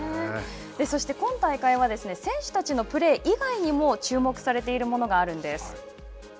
そして、今大会は選手たちのプレー以外にも注目されているものがあるんです。